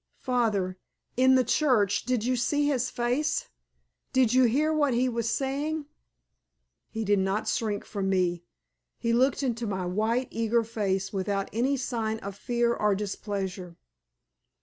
"Father, in the church, did you see his face? Did you hear what he was saying?" He did not shrink from me. He looked into my white, eager face without any sign of fear or displeasure.